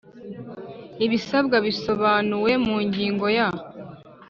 ibisabwa bisobanuwe mu Ngingo ya